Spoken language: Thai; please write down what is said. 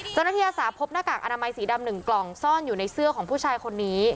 เจ้าหน้าที่อาสาพพบหน้ากากอนามัยสีดำหนึ่งกล่องซ่อนอยู่ในเสื้อของผู้ชายคนนี้